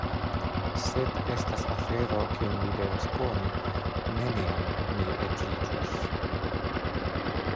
Sed estas afero, kiun vi devas koni: neniam mi edziĝos.